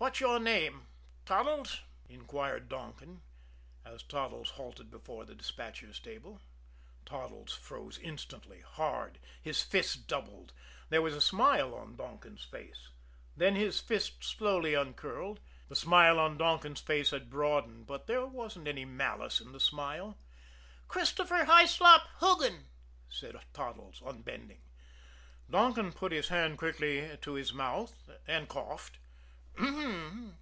"What's your name Toddles?" inquired Donkin, as Toddles halted before the despatcher's table. Toddles froze instantly hard. His fists doubled; there was a smile on Donkin's face. Then his fists slowly uncurled; the smile on Donkin's face had broadened, but there wasn't any malice in the smile. "Christopher Hyslop Hoogan," said Toddles, unbending. Donkin put his hand quickly to his mouth and coughed. "Um m!"